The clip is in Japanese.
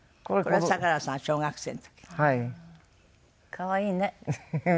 可愛いね。